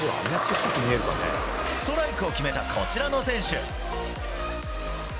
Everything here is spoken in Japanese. ストライクを決めたこちらの選手。